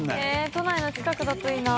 都内の近くだといいな。